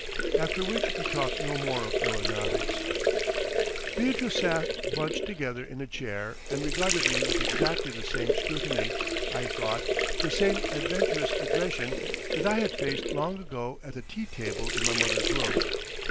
After which we talked no more of aeronautics. Beatrice sat bunched together in a chair and regarded me with exactly the same scrutiny, I thought, the same adventurous aggression, that I had faced long ago at the tea table in my mother's room.